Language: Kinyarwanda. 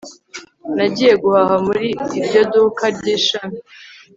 Nagiye guhaha muri iryo duka ryishami